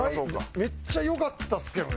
めっちゃ良かったですけどね。